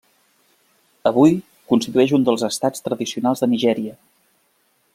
Avui, constitueix un dels estats tradicionals de Nigèria.